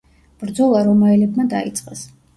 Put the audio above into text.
ბრძოლა რომაელებმა დაიწყეს.